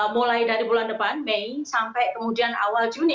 mulai dari bulan depan mei sampai kemudian awal juni